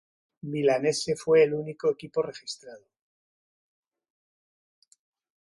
Milanese fue el único equipo registrado.